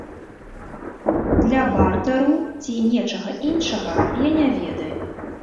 Для бартэру ці нечага іншага, я не ведаю.